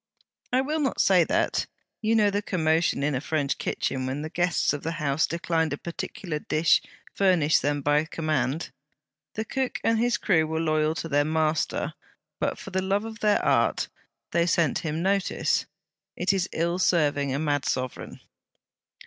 'I will not say that. You know the commotion in a French kitchen when the guests of the house declined a particular dish furnished them by command. The cook and his crew were loyal to their master, but, for the love of their Art, they sent him notice. It is ill serving a mad sovereign.'